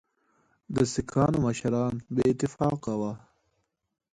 د سیکهانو مشران بې اتفاقه وه.